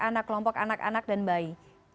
anak kelompok anak anak dan bayi